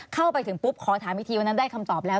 เข้าไปถึงปุ๊บขอถามอีกทีวันนั้นได้คำตอบแล้ว